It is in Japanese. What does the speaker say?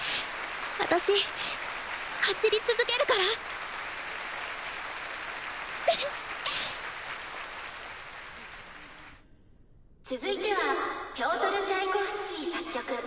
私走り続けるから続いてはピョートル・チャイコフスキー作曲